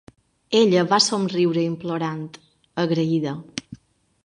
Ella va somriure implorant, agraïda.